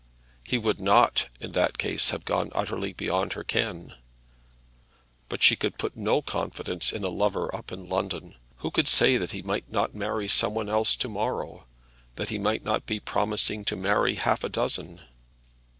He would not, in that case, have gone utterly beyond her ken. But she could put no confidence in a lover up in London. Who could say that he might not marry some one else to morrow, that he might not be promising to marry half a dozen?